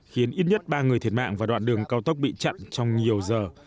khiến ít nhất ba người thiệt mạng và đoạn đường cao tốc bị chặn trong nhiều giờ